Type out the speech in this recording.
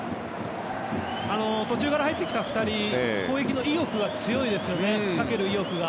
途中から入ってきた２人は攻撃の意欲が強いです仕掛ける意欲が。